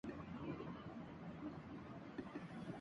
model Farwa Ali Kazmi بھی corona کا شکار